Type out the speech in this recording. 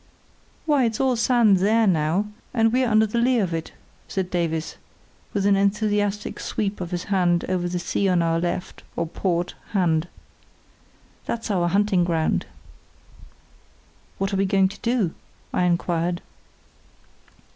"Why, it's all sand there now, and we're under the lee of it," said Davies, with an enthusiastic sweep of his hand over the sea on our left or port hand. "That's our hunting ground." "What are we going to do?" I inquired.